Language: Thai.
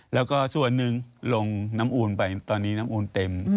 แล้วก็ส่วนหนึ่งลงน้ำอูนไปตอนนี้น้ำอูนเต็ม